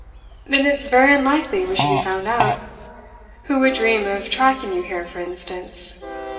'Then it's very unlikely we should be found out. Who would dream of tracking you here, for instance?